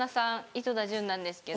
井戸田潤なんですけど。